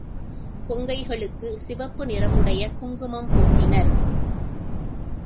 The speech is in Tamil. கொங்கைகளுக்குச் சிவப்பு நிறத்தை உடைய குங்குமம் பூசினர்.